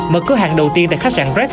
mở cửa hàng đầu tiên tại khách sạn red